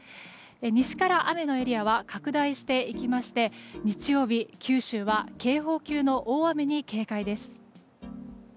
西から雨のエリアは拡大していきまして日曜日、九州は警報級の大雨に警戒です。